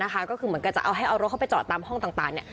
ก็คือเหมือนกันจะเอาให้เอารถเข้าไปจอดตามห้องต่าง